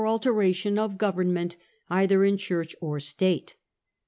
alteration of government either in Church or State.